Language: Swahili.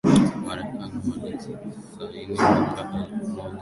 marekani walisaini mwaka elfu moja mia tisa themanini na nane